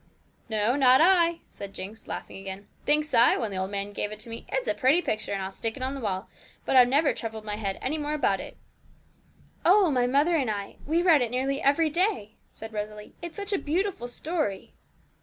'No, not I,' said Jinx, laughing again; 'thinks I, when the old man gave it to me, it's a pretty picture, and I'll stick it on the wall; but I've never troubled my head any more about it.' 'Oh, my mother and I we read it nearly every day,' said Rosalie; 'it's such a beautiful story!'